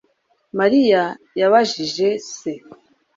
Mariya yabajije se